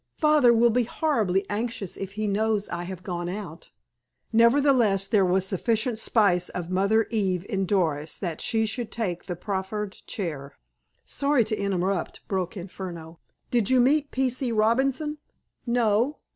"Father will be horribly anxious if he knows I have gone out." Nevertheless, there was sufficient spice of Mother Eve in Doris that she should take the proffered chair. "Sorry to interrupt," broke in Furneaux. "Did you meet P. C. Robinson!" "No."